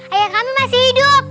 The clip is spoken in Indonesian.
ayah kami masih hidup